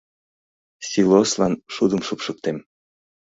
Силослан шудым шупшыктем.